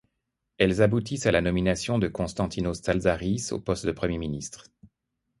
Elles aboutissent à la nomination de Konstantinos Tsaldaris au poste de Premier ministre.